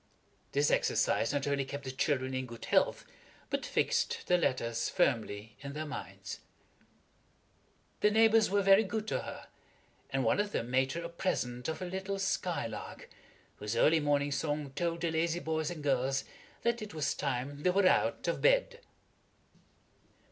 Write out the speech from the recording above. This exercise not only kept the children in good health, but fixed the letters firmly in their minds. The neighbors were very good to her, and one of them made her a present of a little skylark, whose early morning song told the lazy boys and girls that it was time they were out of bed.